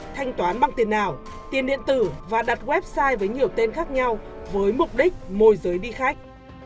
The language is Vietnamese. thanh toán bằng tiền ảo tiền điện tử và đặt website với nhiều tên khác nhau với mục đích môi giới đi khách